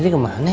rey kemana ya